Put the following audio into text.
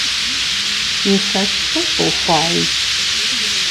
Илъэс хыщӏ ухъуауи?!